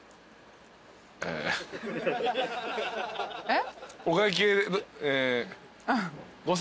えっ？